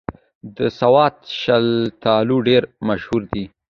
د سوات شلتالو ډېر مشهور دي